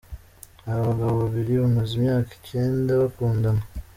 Abo bagabo babiri bamaze imyaka icenda bakundana.